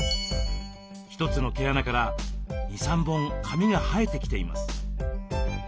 一つの毛穴から２３本髪が生えてきています。